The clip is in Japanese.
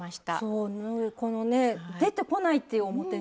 そうこのね出てこないっていう表に。